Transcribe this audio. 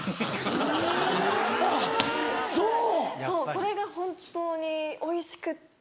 それが本当においしくって。